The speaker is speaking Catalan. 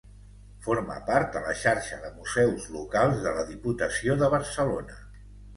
Forma part de la Xarxa de Museus Locals de la Diputació de Barcelona.